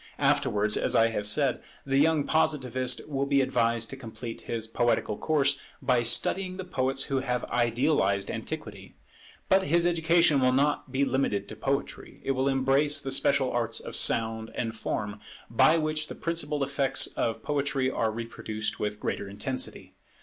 Afterwards, as I have said, the young Positivist will be advised to complete his poetical course, by studying the poets who have idealized antiquity. But his education will not be limited to poetry, it will embrace the special arts of sound and form, by which the principal effects of poetry are reproduced with greater intensity.